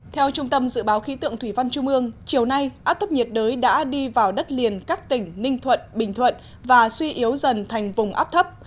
theo trung tâm dự báo khí tượng thủy văn trung ương chiều nay áp thấp nhiệt đới đã đi vào đất liền các tỉnh ninh thuận bình thuận và suy yếu dần thành vùng áp thấp